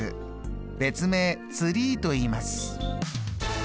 別名ツリーといいます。